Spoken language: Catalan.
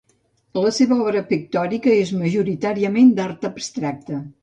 La seva obra pictòrica és majoritàriament d'art abstracte.